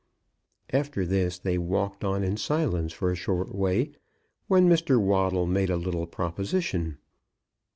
After this they walked on in silence for a short way, when Mr. Waddle made a little proposition.